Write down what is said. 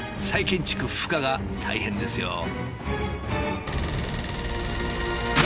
再建築不可が大変ですよ。